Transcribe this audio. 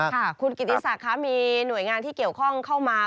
ค่ะคุณกิติศักดิ์ค่ะมีหน่วยงานที่เกี่ยวข้องเข้ามา